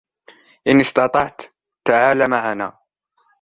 إن استطعت، تعال معنا.